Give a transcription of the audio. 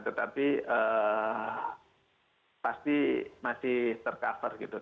tetapi pasti masih tercover gitu